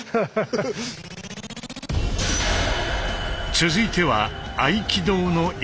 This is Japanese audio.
続いては合気道の入身。